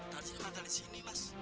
tadi sama kali sini mas